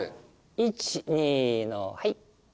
１２のはい！